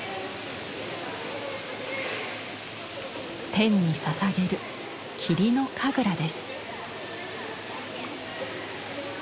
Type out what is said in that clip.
天にささげる霧の神楽です。